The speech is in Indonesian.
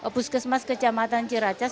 puskesmas kecamatan ciracas